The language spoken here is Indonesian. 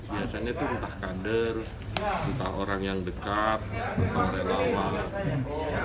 biasanya itu entah kader entah orang yang dekat entah orang yang lama